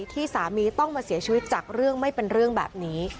ที่สามีต้องมาเสียชีวิตจากเรื่องไม่เป็นเรื่องแบบนี้